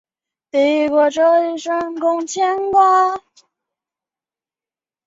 小值贺机场是位于长崎县北松浦郡小值贺町。